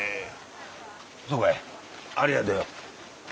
そうかいありがとよ。